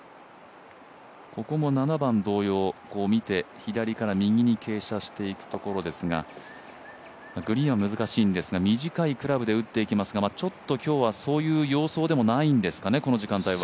ここも７番同様見て左から右に傾斜していくところですがグリーンは難しいんですが短いクラブで打っていきますが、ちょっと今日はそういう様相でもないんですかね、この時間は。